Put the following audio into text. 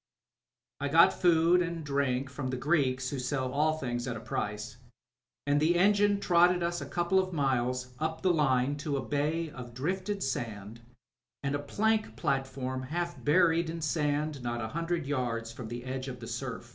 I got food and drink from the Greeks who sell all things at a price, and the engine trotted us a couple of miles up the line to a bay of drifted sand and a plank platform half buried in sand not a hundred yards from the edge of the siu^.